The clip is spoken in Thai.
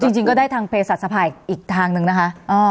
อ่อจริงก็ได้ทางเพศจรรยภาอีกทางนึงนะคะ